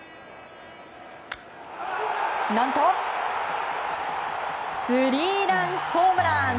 何とスリーランホームラン！